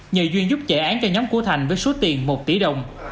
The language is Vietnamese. nhờ duyên giúp chạy án cho nhóm của thành với số tiền một tỷ đồng